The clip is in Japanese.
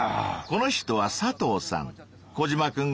この人は佐藤さん。